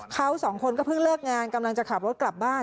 เขาสองคนก็เพิ่งเลิกงานกำลังจะขับรถกลับบ้าน